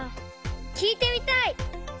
きいてみたい！